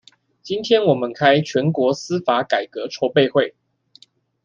今天我們開全國司法改革籌備會